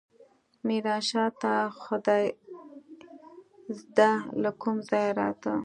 ميرانشاه ته خدايزده له کوم ځايه راته.